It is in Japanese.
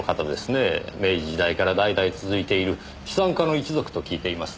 明治時代から代々続いている資産家の一族と聞いています。